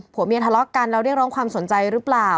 ผัวเมียทะเลาะกันแล้วเรียกร้องความสนใจหรือเปล่า